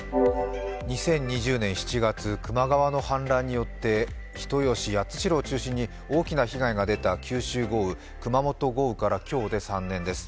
２０２０年７月、球磨川の氾濫によって人吉、八代を中心に大きな被害が出た九州豪雨、熊本豪雨から今日で３年です。